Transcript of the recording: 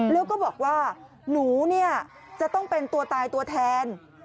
แล้วก็บอกว่าหนูเนี่ยจะต้องเป็นตัวตายตัวแทน